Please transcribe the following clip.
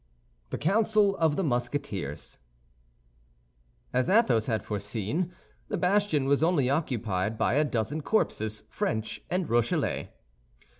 THE COUNCIL OF THE MUSKETEERS As Athos had foreseen, the bastion was only occupied by a dozen corpses, French and Rochellais.